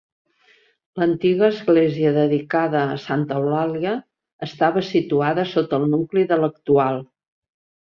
L'antiga església, dedicada a Santa Eulàlia, estava situada sota el nucli de l'actual.